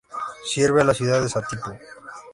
Sirve a la ciudad de Satipo.